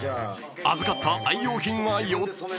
［預かった愛用品は４つ］